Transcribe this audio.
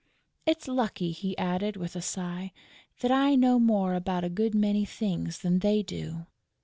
It's lucky," he added, with a sigh, "that I know more about a good many things than they do!"